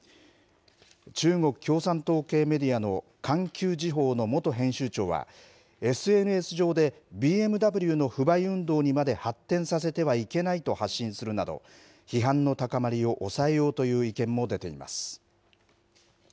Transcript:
中国共産党系メディアの環球時報の元編集長は、ＳＮＳ上でＢＭＷの不買運動にまで発展させてはいけないと発信するなど、批判の高まりを抑えようという意見も出ています。